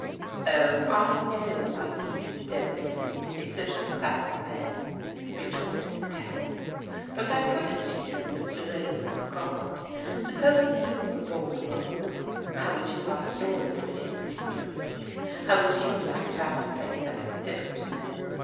" Oh, I know my views don't suit a certain class of men," retorted Tamsin, " but I put it to you, Mr. Ravens croft — suppose you were bom a woman, how would you like your liberties restricted? How would you like to have to play second fiddle to men?